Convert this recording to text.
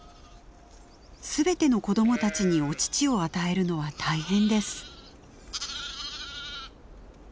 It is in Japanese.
全ての子どもたちにお乳を与えるのは大変です。